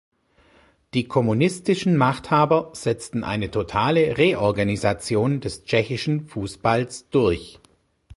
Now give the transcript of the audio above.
Die kommunistischen Machthaber setzten eine totale Reorganisation des tschechischen Fußballs durch.